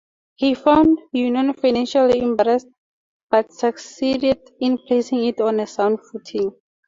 He found Union financially embarrassed, but succeeded in placing it on a sound footing.